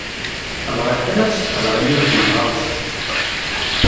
Bɣiɣ kan ad ssfeqdeɣ i yiwet n tɣawsa.